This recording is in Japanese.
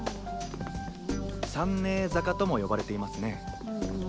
産寧坂とも呼ばれていますね。